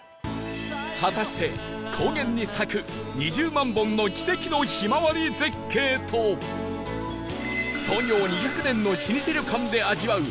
果たして高原に咲く２０万本の奇跡のひまわり絶景と創業２００年の老舗旅館で味わう